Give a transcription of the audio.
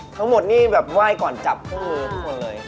ทั้งหมดนี่แบบไหว้ก่อนจับคู่มือทุกคนเลย